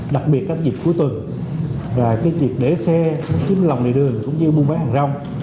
đặc biệt các dịp cuối tuần việc để xe trên lòng đầy đường cũng như buôn váy hàng rong